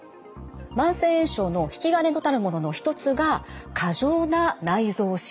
慢性炎症の引き金となるものの一つが過剰な内臓脂肪なんです。